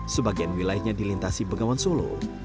sebagian wilayahnya dilintasi bengawan solo